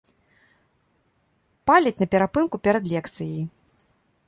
Паляць на перапынку перад лекцыяй.